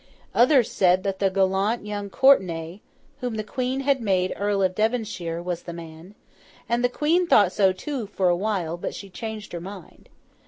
Others said that the gallant young Courtenay, whom the Queen had made Earl of Devonshire, was the man—and the Queen thought so too, for a while; but she changed her mind.